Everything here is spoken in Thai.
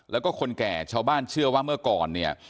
แล้วก็คนแก่ชาวบ้านเชื่อว่าเมื่อก่อนเนี่ย